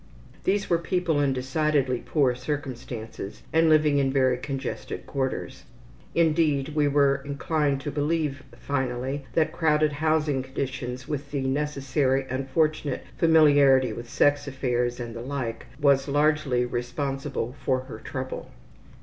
These were people in decidedly poor circumstances and living in very congested quarters. Indeed, we were inclined to believe, finally, that crowded housing conditions with the necessary unfortunate familiarity with sex affairs and the like was largely responsible for her trouble.